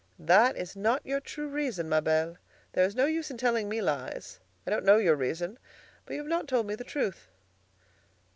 "That is not your true reason, ma belle. There is no use in telling me lies. I don't know your reason, but you have not told me the truth."